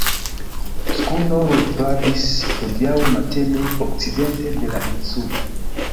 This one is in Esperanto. Skuno luvadis hodiaŭ matene okcidente de la Insulo.